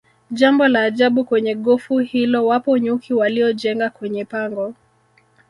Jambo la ajabu kwenye gofu hilo wapo nyuki waliojenga kwenye pango